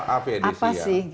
apa sih gitu